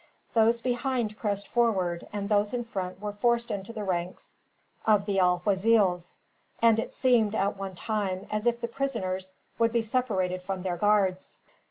Those behind pressed forward, and those in front were forced into the ranks of the alguazils; and it seemed, at one time, as if the prisoners would be separated from their guards.